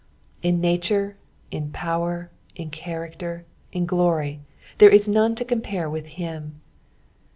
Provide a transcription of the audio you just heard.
In nature, in power, in character, in glory, there is none to compare with him.